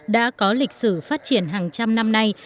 đã có lịch sử phát triển hàng trăm năm nay